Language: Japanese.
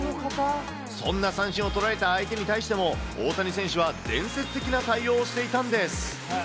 そんな三振を取られた相手に対しても、大谷選手は伝説的な対応をしていたんです。